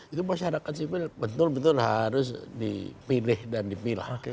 itu masyarakat sipil betul betul harus dipilih dan dipilah